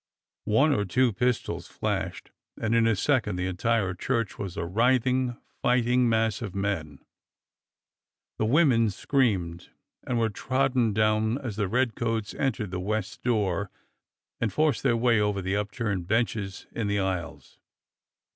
One or two pistols flashed, and in a second the entire church was a writhing, fighting mass of men. The women screamed and were trodden down as the 286 DOCTOR SYN redcoats entered the west door and forced their way over the upturned benches in the aisles.